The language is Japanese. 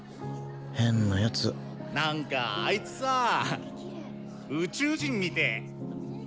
変な奴なんかあいつさ宇宙人みてえ。